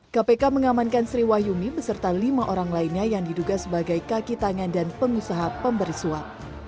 kpk mengamankan sri wahyumi beserta lima orang lainnya yang diduga sebagai kaki tangan dan pengusaha pemberi suap